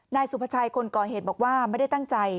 นายสุภาชัยคนก่อเหตุบอกว่าไม่ได้ตั้งใจ